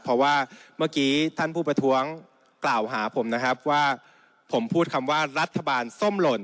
เพราะว่าเมื่อกี้ท่านผู้ประท้วงกล่าวหาผมนะครับว่าผมพูดคำว่ารัฐบาลส้มหล่น